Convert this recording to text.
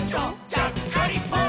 ちゃっかりポン！」